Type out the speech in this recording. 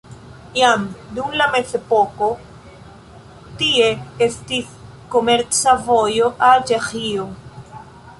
Jam dum la mezepoko tie estis komerca vojo al Ĉeĥio.